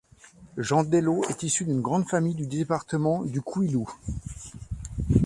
Jean Dello est issu d'une grande famille du département du Kouilou.